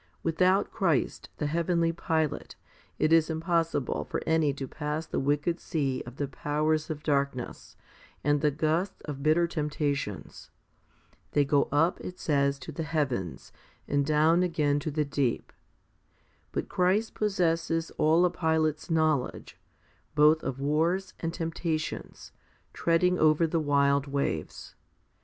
Without Christ, the heavenly pilot, it is impos sible for any to pass the wicked sea of the powers of darkness, and the gusts of bitter temptations. They go up, it says, to the heavens, and down again to the deep. 1 But Christ possesses all a pilot's knowledge, both of wars and temptations, treading over the wild waves.